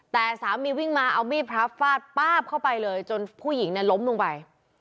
แต่สามีวิ่งมาเอามีดพระฟาดป๊าบเข้าไปเลยจนผู้หญิงเนี่ยล้มลงไป